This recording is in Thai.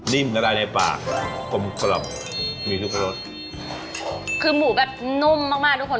ละลายในปากกลมกล่อมมีทุกรสคือหมูแบบนุ่มมากมากทุกคน